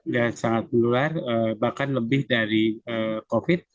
dan sangat menular bahkan lebih dari covid sembilan belas